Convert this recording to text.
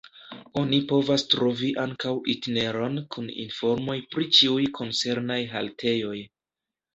Oni povas trovi ankaŭ itineron kun informoj pri ĉiuj koncernaj haltejoj.